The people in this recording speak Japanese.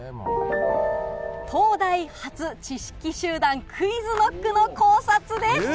東大発知識集団、ＱｕｉｚＫｎｏｃｋの考察です。